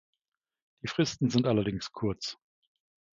Die Fristen sind allerdings kurz.